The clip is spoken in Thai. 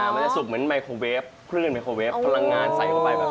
มันจะสุกเหมือนไมโครเวฟคลื่นไมโครเวฟพลังงานใส่เข้าไปแบบ